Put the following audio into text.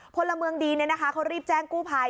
พลเมืองดีเนี่ยนะคะเขารีบแจ้งกู้ภัย